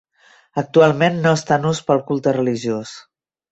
Actualment no està en ús per al culte religiós.